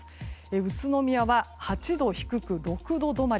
宇都宮は８度低く６度止まり。